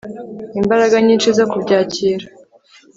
imbaraga nyinshi zo kubyakira